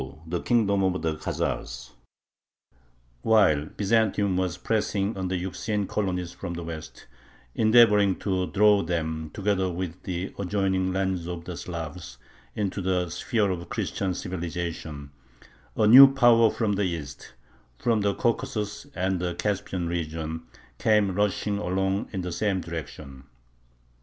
2. THE KINGDOM OF THE KHAZARS While Byzantium was pressing on the Euxine colonies from the west, endeavoring to draw them, together with the adjoining lands of the Slavs, into the sphere of Christian civilization, a new power from the east, from the Caucasus and the Caspian region, came rushing along in the same direction.